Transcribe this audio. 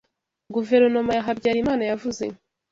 Guverinoma ya Habyarimana yavuze